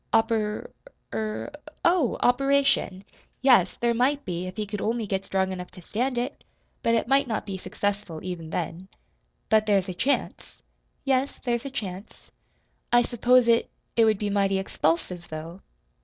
"Oper er oh, operation! Yes, there might be, if he could only get strong enough to stand it. But it might not be successful, even then." "But there's a chance?" "Yes, there's a chance." "I s'pose it it would be mighty expulsive, though."